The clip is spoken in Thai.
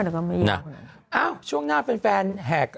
เอ้าช่วงหน้าแฟนแหก